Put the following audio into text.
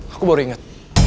aku baru inget